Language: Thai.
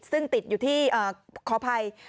ซึ่งติดอยู่ที่ขออภัย